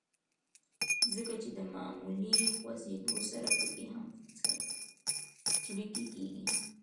ځکه چې د معمولي خوزېدو سره پکښې هم څړيکې کيږي